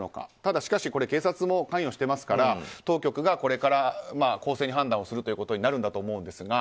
しかし、警察も関与してますから当局がこれから公正に判断することになると思いますが。